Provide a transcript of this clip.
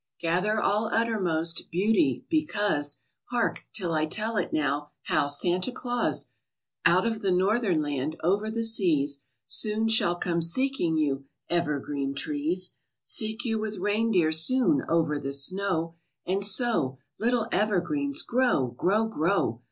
Gather all uttermost Beauty, because, Hark, till I tell it now! How Santa Claus, Out of the northern land, Over the seas, Soon shall come seeking you, Evergreen trees! Seek you with reindeer soon, Over the snow; And so, Little evergreens, grow! Grow, grow!